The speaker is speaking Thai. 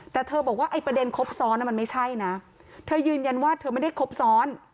แต่เธอบอกว่าไอ้ประเด็นครบซ้อนมันไม่ใช่นะเธอยืนยันว่าเธอไม่ได้ครบซ้อน